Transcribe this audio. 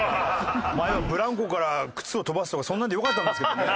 前はブランコから靴を飛ばすとかそんなのでよかったんですけどね。